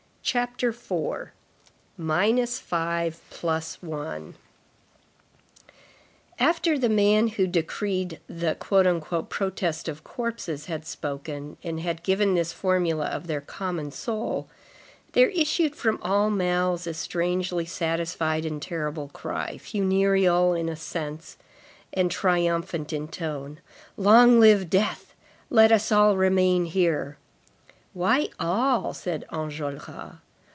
CHAPTER IV—MINUS FIVE, PLUS ONE After the man who decreed the "protest of corpses" had spoken, and had given this formula of their common soul, there issued from all mouths a strangely satisfied and terrible cry, funereal in sense and triumphant in tone: "Long live death! Let us all remain here!" "Why all?" said Enjolras.